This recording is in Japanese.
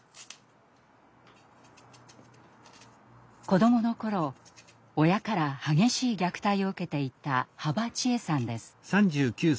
子どもの頃親から激しい虐待を受けていた羽馬千恵さんです。